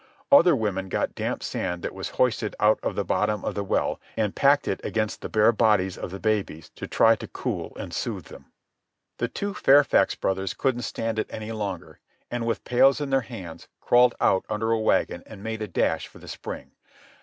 Other women got damp sand that was hoisted out of the bottom of the well, and packed it against the bare bodies of the babies to try to cool and soothe them. The two Fairfax brothers couldn't stand it any longer, and, with pails in their hands, crawled out under a wagon and made a dash for the spring.